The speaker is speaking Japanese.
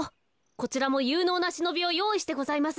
こちらもゆうのうなしのびをよういしてございます。